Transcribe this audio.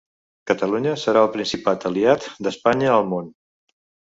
Catalunya serà el principal aliat d’Espanya al Món